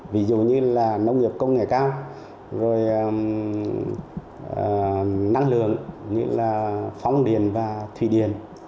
ví dụ như là nông nghiệp công nghệ cao năng lượng như là phóng điện và thủy điện